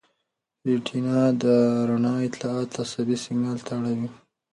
ریټینا د رڼا اطلاعات عصبي سېګنال ته اړوي.